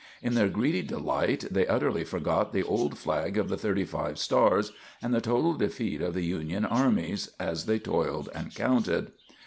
In their greedy delight they utterly forgot the old flag of the thirty five stars, and the total defeat of the Union armies, as they toiled and counted.